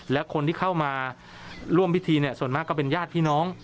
และคนที่เข้ามาร่วมพิธีเนี่ยส่วนมากก็เป็นญาติพี่น้อง